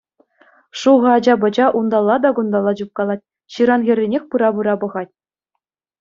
Шухӑ ача-пӑча унталла та кунталла чупкалать, ҫыран хӗрринех пыра-пыра пӑхать.